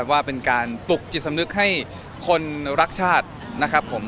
ว่าเป็นการปลุกจิตสำนึกให้คนรักชาตินะครับผม